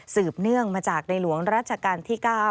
เนื่องมาจากในหลวงรัชกาลที่๙